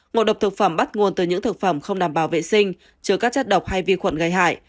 ngộ độc thực phẩm bắt nguồn từ những thực phẩm không đảm bảo vệ sinh chứa các chất độc hay vi khuẩn gây hại